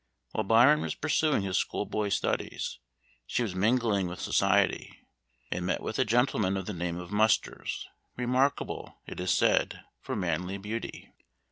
While Byron was pursuing his school boy studies, she was mingling with society, and met with a gentleman of the name of Musters, remarkable, it is said, for manly beauty.